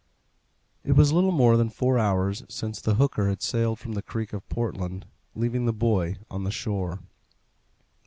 It was little more than four hours since the hooker had sailed from the creek of Portland, leaving the boy on the shore.